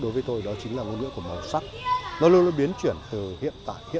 đúng là trả thế này